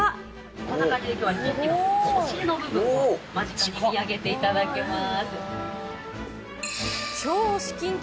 こんな感じで飛行機のお尻の部分を、間近で見上げていただけます。